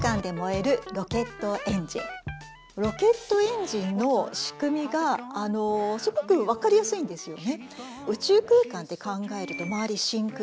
ロケットエンジンの仕組みがすごく分かりやすいんですよね。